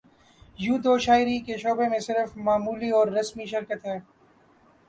یوں تو شاعری کے شعبے میں صرف معمولی اور رسمی شرکت ہے